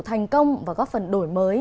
thành công và góp phần đổi mới